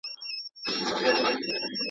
زه اوس سبقونه تکراروم.